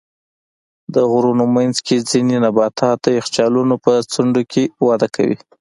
د غرونو منځ کې ځینې نباتات د یخچالونو په څنډو کې وده کوي.